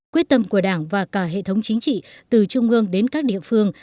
quyết tâm của đảng và cả hệ thống chính trị từ trung ương đến các địa phương